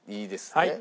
はい。